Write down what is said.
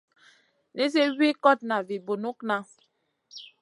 Nizi wi kotna vi bunukŋa.